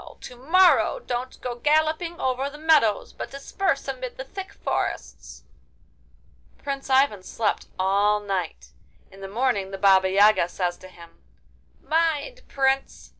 to morrow don't go galloping over the meadows, but disperse amid the thick forests.' Prince Ivan slept all night. In the morning the Baba Yaga says to him: 'Mind, Prince!